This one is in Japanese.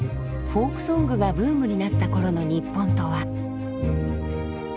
フォークソングがブームになったころの日本とは。